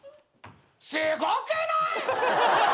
すごくない！？